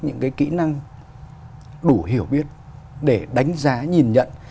những cái kỹ năng đủ hiểu biết để đánh giá nhìn nhận